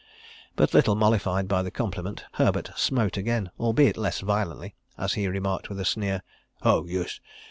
But little mollified by the compliment, Herbert smote again, albeit less violently, as he remarked with a sneer: "Ho, yus!